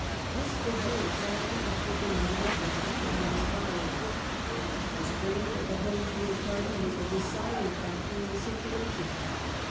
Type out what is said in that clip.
^ of 1885 This figure exactly equalled the number of Mr. Parnell's followers. The strength of the Home Rule Party was the deciding factor in the situation.